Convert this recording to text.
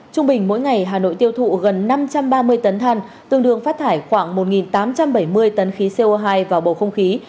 trung bình mỗi ngày hà nội tiêu thụ gần năm trăm ba mươi tấn than tương đương phát thải khoảng một tám trăm bảy mươi tấn khí co hai vào bầu không khí